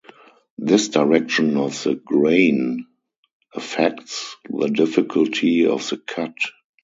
This direction of the grain affects the difficulty of the cut.